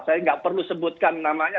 saya nggak perlu sebutkan namanya